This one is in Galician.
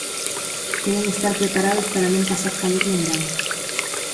Queren estar preparados para non pasar calor no verán.